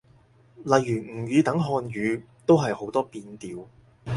例如吳語等漢語，都係好多變調